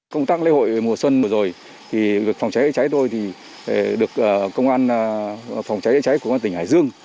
công tác lễ hội mùa xuân vừa rồi phòng cháy chữa cháy tôi được công an phòng cháy chữa cháy của tỉnh hải dương